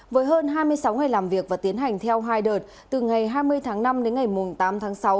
với hơn hai mươi sáu ngày làm việc và tiến hành theo hai đợt từ ngày hai mươi tháng năm đến ngày tám tháng sáu